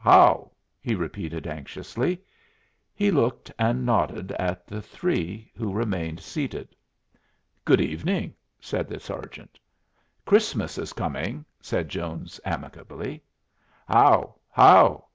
how!" he repeated, anxiously. He looked and nodded at the three, who remained seated. "Good evening," said the sergeant. "Christmas is coming," said Jones, amicably. "How! how!"